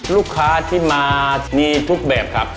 ลูกค้าที่มามีทุกแบบครับ